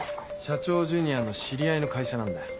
社長ジュニアの知り合いの会社なんだよ。